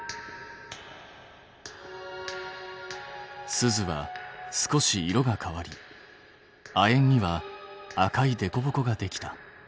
スズは少し色が変わり亜鉛には赤いでこぼこができた。